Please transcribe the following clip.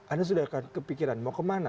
anda sudah akan kepikiran mau kemana